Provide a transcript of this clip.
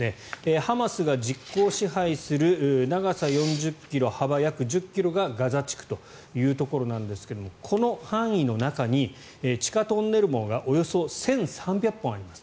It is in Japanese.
ハマスが実効支配する長さ４０ｋｍ幅約１０ｋｍがガザ地区ですがこの範囲の中に地下トンネル網がおよそ１３００本あります。